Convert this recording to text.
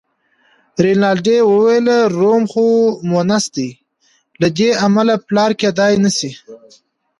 رینالډي وویل: روم خو مونث دی، له دې امله پلار کېدای نه شي.